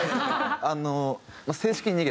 あの。